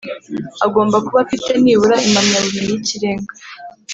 agomba kuba afite nibura impamyabumenyi yikirenga